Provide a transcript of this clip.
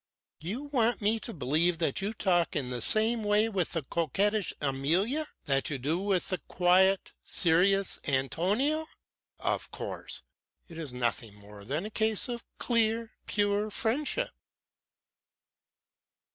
"You want me to believe that you talk in the same way with the coquettish Amalia that you do with the quiet, serious Antonio. Of course! It is nothing more than a case of clear, pure friendship!"